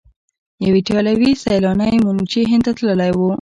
یو ایټالیایی سیلانی منوچي هند ته تللی و.